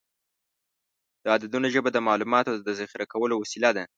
د عددونو ژبه د معلوماتو د ذخیره کولو وسیله ده.